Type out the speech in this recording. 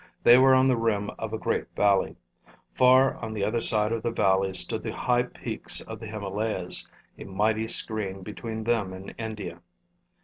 They were on the rim of a great valley. Far on the other side of the valley stood the high peaks of the Himalayas, a mighty screen between them and India.